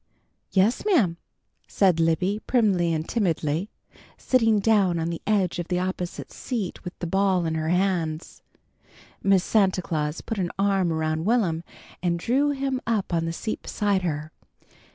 "Yes, ma'am," said Libby, primly and timidly, sitting down on the edge of the opposite seat with the ball in her hands. Miss Santa Claus put an arm around Will'm and drew him up on the seat beside her.